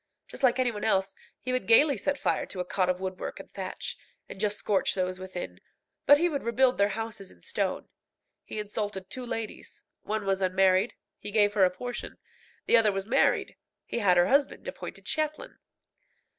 Just like any one else, he would gaily set fire to a cot of woodwork and thatch, and just scorch those within; but he would rebuild their houses in stone. He insulted two ladies. One was unmarried he gave her a portion; the other was married he had her husband appointed chaplain.